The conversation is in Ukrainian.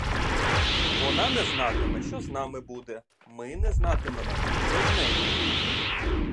Вона не знатиме, що з нами буде, ми не знатимемо, що з нею.